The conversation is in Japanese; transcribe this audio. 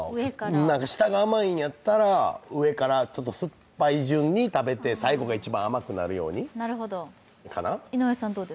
下が甘いんやったら上から酸っぱい順に食べて、最後が一番甘くなるように、かな？